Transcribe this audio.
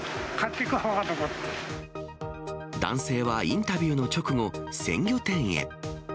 男性はインタビューの直後、鮮魚店へ。